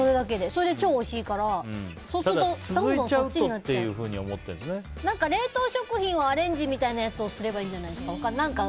それで超おいしいからそうすると続いちゃうとと冷凍食品をアレンジみたいなやつをすればいいんじゃないですか。